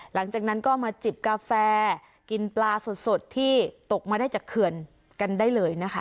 หลังจากนั้นก็มาจิบกาแฟกินปลาสดที่ตกมาได้จากเขื่อนกันได้เลยนะคะ